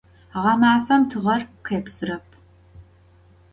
Ğemafem tığer khêpsırep.